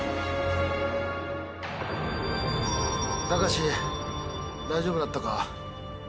タカシ大丈夫だったか？